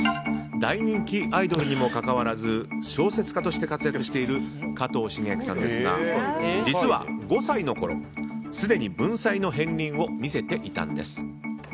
大人気アイドルにもかかわらず小説家として活躍している加藤シゲアキさんですが実は、５歳のころすでに文才の片鱗を見せていたんです。